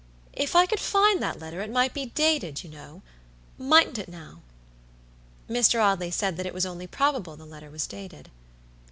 If I could find that letter, it might be dated, you knowmightn't it, now?" Mr. Audley said that it was only probable the letter was dated.